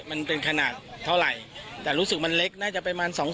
มันเป็นขนาดเท่าไหร่แต่รู้สึกมันเล็กน่าจะประมาณสอง